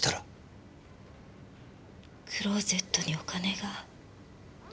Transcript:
クローゼットにお金が。